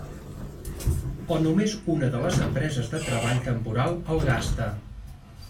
O només una de les empreses de treball temporal el gasta.